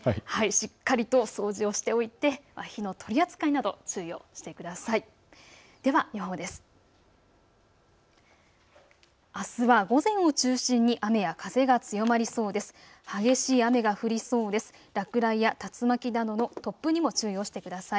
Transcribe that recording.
しっかりと掃除をしておいて火の取り扱いなど注意をしてください。